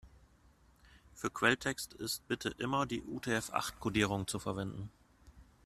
Für Quelltext ist bitte immer die UTF-acht-Kodierung zu verwenden.